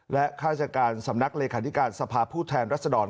และฆาติกรรมสำนักโครงบิลิติตรและลักษณะรัศดร